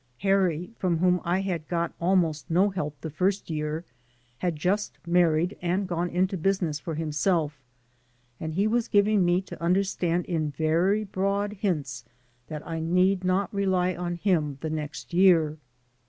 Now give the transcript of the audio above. Harry, from whom I had got almost no help the first year, had just married and gone into business for himself, and he was giving me to understand in very broad hints that I need not rely on him the next year.